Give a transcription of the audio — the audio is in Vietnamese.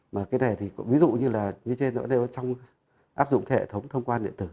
mà cái này thì ví dụ như là như trên đó trong áp dụng hệ thống thông quan điện tử